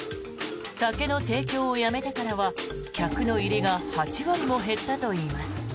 酒の提供をやめてからは客の入りが８割も減ったといいます。